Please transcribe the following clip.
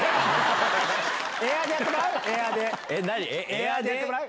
エアーでやってもらう？